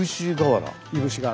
いぶし瓦？